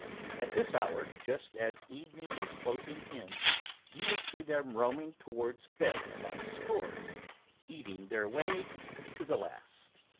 At this hour, just as evening is closing in, you will see them roaming towards bed by scores, eating their way to the last.